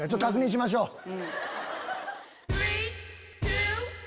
確認しましょう。